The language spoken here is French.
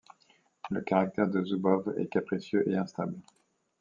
Le caractère de Zoubov est capricieux et instable.